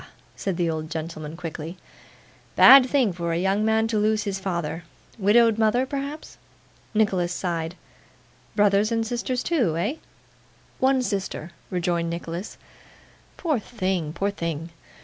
said the old gentleman quickly. 'Bad thing for a young man to lose his father. Widowed mother, perhaps?' Nicholas sighed. 'Brothers and sisters too? Eh?' 'One sister,' rejoined Nicholas. 'Poor thing, poor thing!